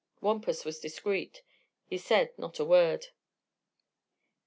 Wampus was discreet. He said not a word.